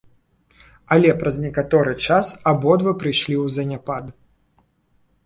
Але праз некаторы час абодва прыйшлі ў заняпад.